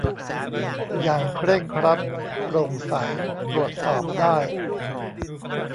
อย่างเคร่งครัด โปร่งใส ตรวจสอบได้